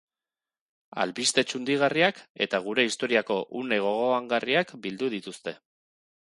Albiste txundigarriak eta gure historiako une gogoangarriak bildu dituzte.